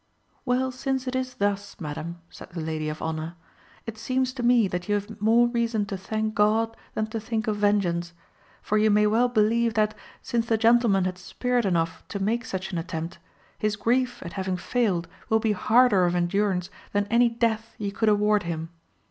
"Well, since it is thus, madam," said the lady of honour, "it seems to me that you have more reason to thank God than to think of vengeance; for you may well believe that, since the gentleman had spirit enough to make such an attempt, his grief at having failed will be harder of endurance than any death you could award him.